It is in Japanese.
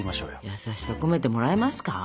優しさ込めてもらえますか？